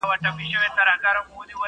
چي په یاد زموږ د ټولواک زموږ د پاچا یې -